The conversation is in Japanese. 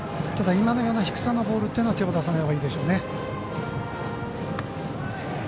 ただ今のような低さのボールは手を出さないほうがいいでしょうね。